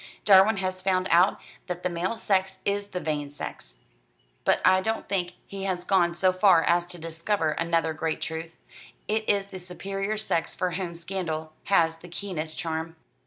Darwin has found out that the male sex is the vain sex: but I don't think he has gone so far as to discover another great truth. It is the superior sex for whom scandal has the keenest charm."